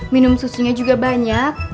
minum susunya juga banyak